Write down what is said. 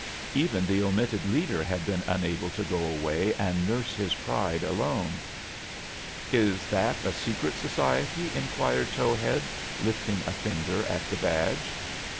Even the omitted leader had been unable to go away and nurse his pride alone. * Is that a secret society ?" inquired Tow head, lifting a finger at the badge.